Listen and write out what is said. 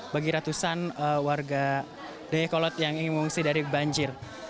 bagi ratusan warga dayakolot yang ingin mengungsi dari banjir